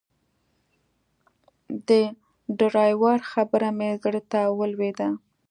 د ډرایور خبره مې زړه ته ولوېده.